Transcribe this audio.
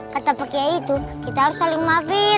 kata pak kiyai itu kita harus saling maafin